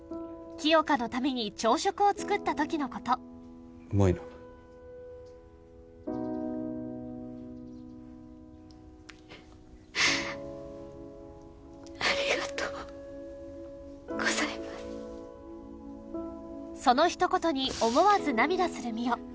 清霞のために朝食を作ったときのことうまいなありがとうございますその一言に思わず涙する美世